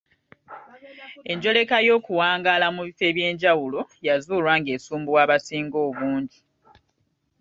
Enjoleka y’okuwangaala mu bifo eby’enjawulo yazuulwa ng’esumbuwa abasinga obungi.